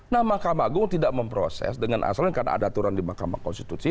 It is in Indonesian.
nah mahkamah agung tidak memproses dengan asalnya karena ada aturan di mahkamah konstitusi